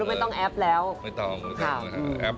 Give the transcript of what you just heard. พัฒนาไม่ต้องแอปแล้ว